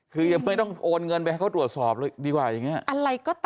การ